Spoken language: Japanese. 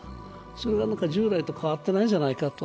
それが従来と変わっていないじゃないかと。